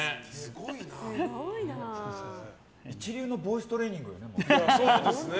一流のボイストレーニングよね。